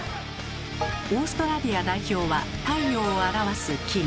オーストラリア代表は太陽を表す金。